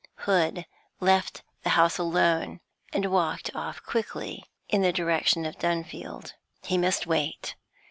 Hood left the house alone, and walked off quickly in the direction of Dunfield. He must wait.